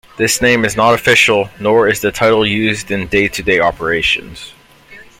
This name is not official, nor is the title used in day-to-day operations.